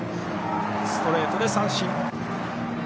ストレートで三振。